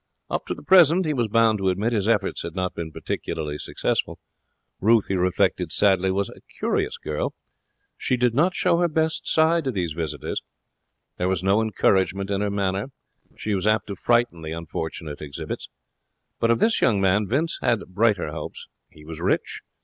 Up to the present, he was bound to admit, his efforts had not been particularly successful. Ruth, he reflected sadly, was a curious girl. She did not show her best side to these visitors. There was no encouragement in her manner. She was apt to frighten the unfortunate exhibits. But of this young man Vince he had brighter hopes. He was rich.